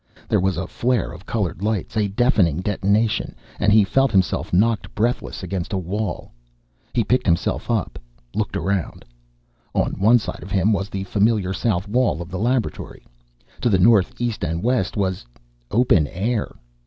There was a flare of colored lights, a deafening detonation and he felt himself knocked breathless against a wall. He picked himself up, looked around. On one side of him was the familiar south wall of the laboratory. To the north, east and west was open air.